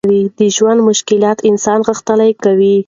د ژوند مشکلات انسان غښتلی کوي.